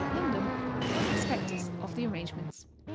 London, for a prospectus of the arrangements.